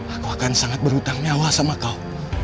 aku akan sangat berhutang nyawa sama kau